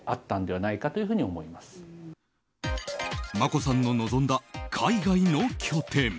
眞子さんの望んだ海外の拠点。